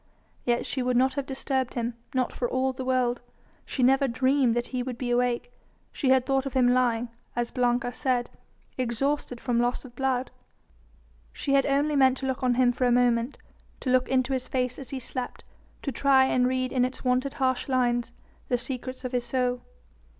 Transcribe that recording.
Yet she would not have disturbed him, not for all the world. She never dreamed that he would be awake; she had thought of him lying as Blanca said exhausted from loss of blood. She had only meant to look on him for a moment, to look into his face as he slept, to try and read in its wonted harsh lines the secrets of his soul.